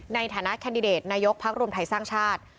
ในฐานะแคนดิเดตนายกพักรวมไทยสร้างชาติ